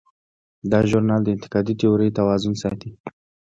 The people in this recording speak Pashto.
دا ژورنال د انتقادي تیورۍ توازن ساتي.